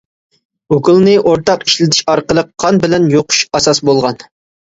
ئوكۇلنى ئورتاق ئىشلىتىش ئارقىلىق قان بىلەن يۇقۇش ئاساس بولغان.